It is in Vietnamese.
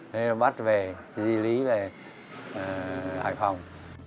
thế là bắt về di lý lại hải phòng